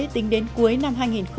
tính đến cuối năm hai nghìn một mươi sáu